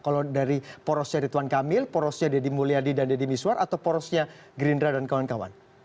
kalau dari porosnya dedy tuan kamil porosnya dedy mulyadi dan dedy miswar atau porosnya gerindra dan kawan kawan